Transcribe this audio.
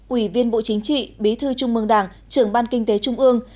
ủy viên bộ chính trị bí thư trung mương đảng trưởng ban kinh tế trung ương